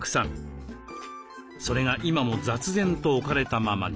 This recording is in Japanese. それが今も雑然と置かれたままに。